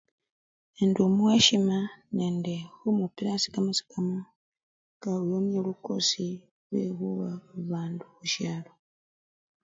Indi omuwa esyima nende khumupila asii kamasikamo ndiaba nilwo lukosi lwekhuwa babandu khusyalo.